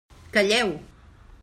Calleu!